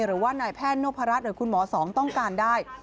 หรือว่านายแพทย์นพรัชหรือคุณหมอสองต้องการได้